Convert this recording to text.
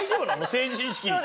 成人式に。